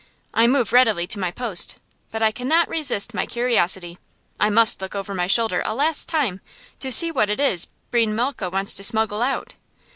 I move readily to my post, but I cannot resist my curiosity. I must look over my shoulder a last time, to see what it is Breine Malke wants to smuggle out.